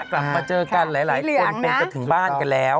กลับมาเจอกันหลายคนเป็นจะถึงบ้านกันแล้ว